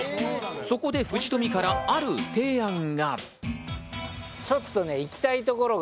そこで藤富からある提案が。